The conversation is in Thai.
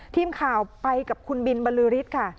ทีมข่าวไปกับคุณบิลบริษฐ์ค่ะ